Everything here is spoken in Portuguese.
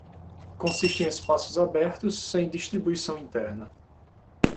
Consiste em espaços abertos sem distribuição interna.